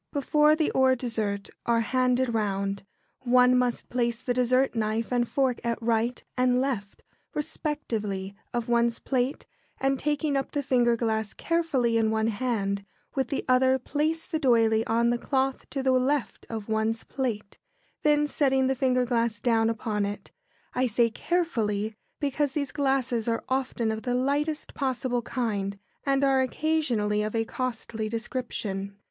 ] Before the or dessert are handed round, one must place the dessert knife and fork at right and left, respectively, of one's plate, and, taking up the finger glass carefully in one hand, with the other place the d'oyley on the cloth to the left of one's plate, then setting the finger glass down upon it. I say "carefully," because these glasses are often of the lightest possible kind, and are occasionally of a costly description.